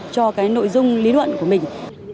cho cái nội dung lý luận của mình